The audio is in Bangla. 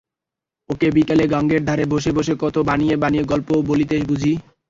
ওকে বিকেলে গাঙের ধারে বসে বসে কত বানিয়ে বানিয়ে গল্প বলিনে বুঝি?